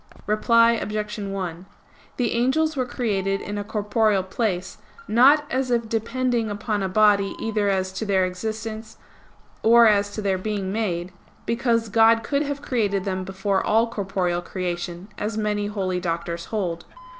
Reply Obj. 1: The angels were created in a corporeal place, not as if depending upon a body either as to their existence or as to their being made; because God could have created them before all corporeal creation, as many holy Doctors hold.